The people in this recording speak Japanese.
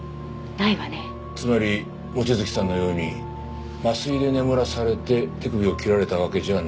つまり望月さんのように麻酔で眠らされて手首を切られたわけじゃない。